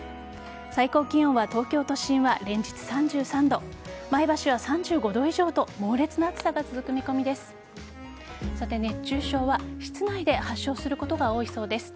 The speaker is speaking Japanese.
最高気温は東京都心は連日３３度前橋は３５度以上と猛烈な暑さが続く見込みです。